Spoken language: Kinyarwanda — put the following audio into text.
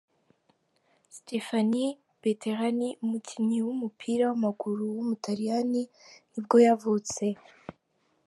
Stefano Bettarini, umukinnyi w’umupira w’amaguru w’umutaliyani nibwo yavutse.